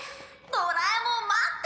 ドラえもん待ってたよ！